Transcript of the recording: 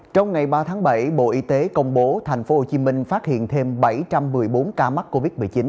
trong ngày ba tháng bảy bộ y tế công bố thành phố hồ chí minh phát hiện thêm bảy trăm một mươi bốn ca mắc covid một mươi chín